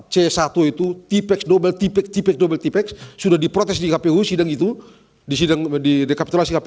c satu itu tipeks nobel tipeks tipeks doppel tipeks sudah diprotesga phosphate itu disinang mendidek asoirlasi api